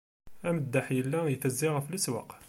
Ameddaḥ yella itezzi ɣef leswaq.